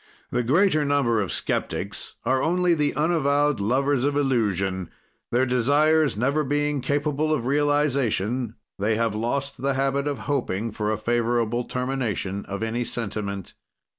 "The greater number of skeptics are only the unavowed lovers of illusion; their desires, never being those capable of realization, they have lost the habit of hoping for a favorable termination of any sentiment.